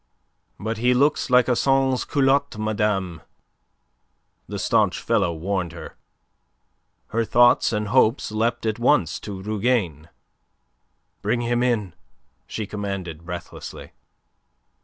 "But he looks like a sansculotte, madame," the staunch fellow warned her. Her thoughts and hopes leapt at once to Rougane. "Bring him in," she commanded breathlessly.